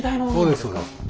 そうですそうです。